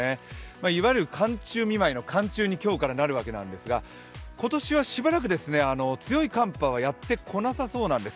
いわゆる寒中見舞いの寒中になるわけですが今年はしばらく強い寒波はやってこなさそうなんです。